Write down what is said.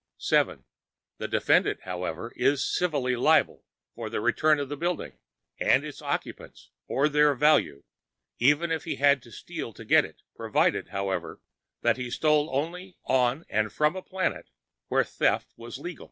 (7) The defendant, however, was civilly liable for the return of the building, and its occupants, or their value, even if he had to steal to get it, provided, however, that he stole only on and from a planet where theft was legal.